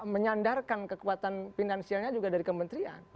menyandarkan kekuatan finansialnya juga dari kementerian